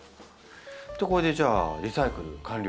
これでじゃあリサイクル完了？